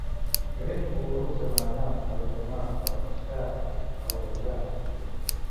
درێخ بۆ ئەو زەمانە، ئەو دەمە، ئەو عەسرە، ئەو ڕۆژە